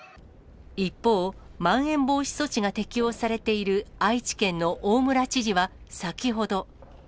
一方、まん延防止措置が適用されている愛知県の大村知事は、先ほど。